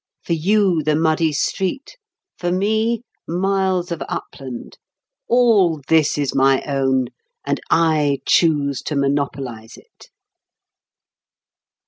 For you the muddy street; for me, miles of upland. All this is my own. And I choose to monopolise it."